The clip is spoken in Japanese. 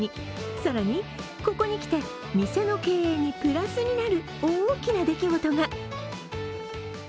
更に、ここにきて、店の経営にプラスになる大きな出来事が。